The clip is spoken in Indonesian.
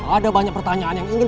ada banyak pertanyaan yang ingin